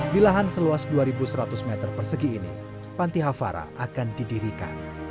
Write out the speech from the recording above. di lahan seluas dua seratus meter persegi ini panti hafara akan didirikan